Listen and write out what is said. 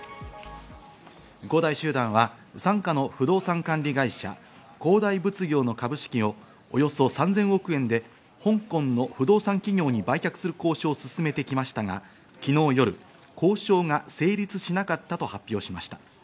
恒大集団は傘下の不動産管理会社、恒大物業の株式をおよそ３０００億円で香港の不動産企業に売却する交渉を進めてきましたが、昨日夜、交渉が成立しなかったと発表しました。